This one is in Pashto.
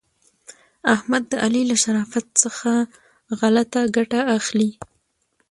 احمد د علي له شرافت څخه غلته ګټه اخلي.